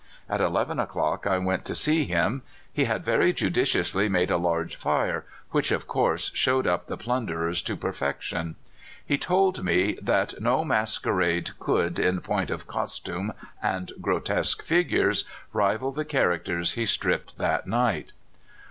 At eleven o'clock I went to see him. He had very judiciously made a large fire, which, of course, showed up the plunderers to perfection. He told me that no masquerade could, in point of costume and grotesque figures, rival the characters he stripped that night."